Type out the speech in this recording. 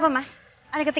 tak ada yang ng ward dimin